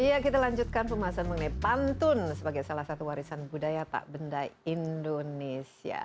iya kita lanjutkan pembahasan mengenai pantun sebagai salah satu warisan budaya tak benda indonesia